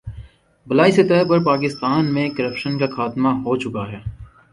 بالائی سطح پر پاکستان میں کرپشن کا خاتمہ ہو چکا ہے